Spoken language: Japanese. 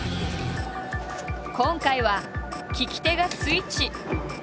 今回は聞き手がスイッチ。